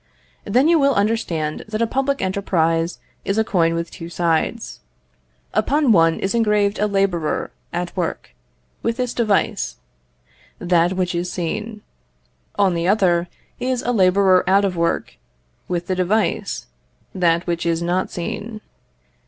Then you will understand that a public enterprise is a coin with two sides. Upon one is engraved a labourer at work, with this device, that which is seen; on the other is a labourer out of work, with the device, that which is not seen.